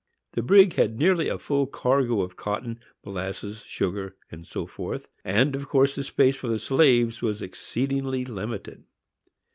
The brig had nearly a full cargo of cotton, molasses, sugar, &c., and, of course, the space for the slaves was exceedingly limited.